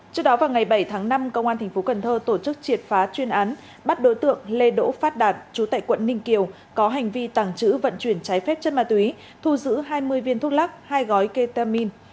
trước đó vào ngày bảy tháng năm công an tp cần thơ tổ chức triệt phá chuyên án bắt đối tượng lê đỗ phát đạt trú tại quận ninh kiều có hành vi tàng trữ vận chuyển trái phép chất ma túy thu giữ hai mươi viên thuốc lắc hai gói ketamin